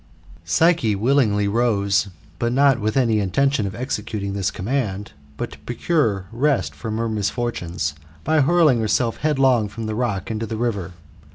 Psyche willingly rose, not with any intention of executing this command, but to procure rest frohi her misfortunes, hy hurling herself headlong from the rock into the river.